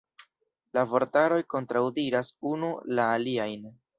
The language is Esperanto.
La vortaroj kontraŭdiras unu la aliajn.